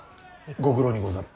ご苦労にござる。